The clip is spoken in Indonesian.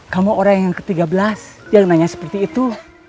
kamu orang yang ke tiga belas dia nanya seperti itu